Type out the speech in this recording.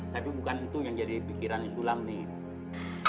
tapi bukan itu yang jadi pikiran islam nih